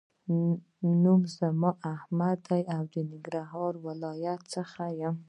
زما نوم احمد دې او ننګرهار ولایت څخه یم